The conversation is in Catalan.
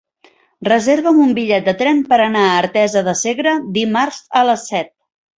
Reserva'm un bitllet de tren per anar a Artesa de Segre dimarts a les set.